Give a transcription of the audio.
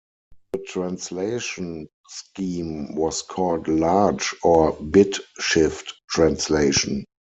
The translation scheme was called "large" or "bit shift translation".